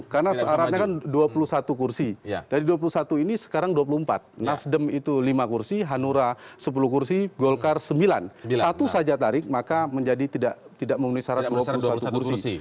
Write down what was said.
karena seharapnya kan dua puluh satu kursi dari dua puluh satu ini sekarang dua puluh empat nasdem itu lima kursi hanura sepuluh kursi golkar sembilan satu saja tarik maka menjadi tidak memenuhi syarat dua puluh satu kursi